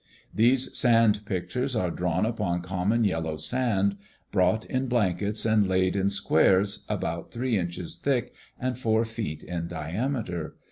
These sand pictures are drawn upon common yellow sand, brought in blankets and laid in squares about three inches thick and four feet in diameter.